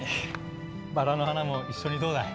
バラの花も一緒にどうだい？